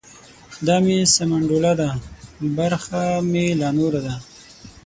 ـ دا مې سمنډوله ده برخه مې لا نوره ده.